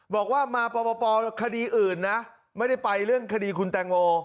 บอกว่าคดีมาปีกอีกไม่ได้ไปเรื่องคดีคุณแต่งโม